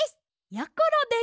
やころです！